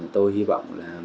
tôi hy vọng là